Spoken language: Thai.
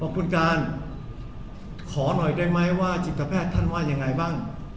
คุณการขอหน่อยได้ไหมว่าจิตแพทย์ท่านว่ายังไงบ้าง